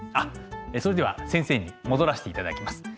それでは先生に戻らせていただきます。